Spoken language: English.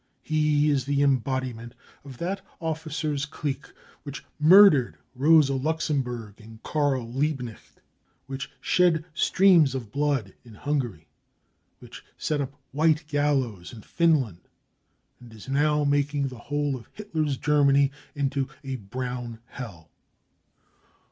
He is the embodiment of that officers' clique which murdered Rosa Luxemburg and Kari Liebknecht, which shed streams of blood in Plungary, r f 142 BROWN BOOK OF THE HITLER TERROR which set up white gallows in Finlahd and is now making the whole of Hitler's Germany into a brown hell.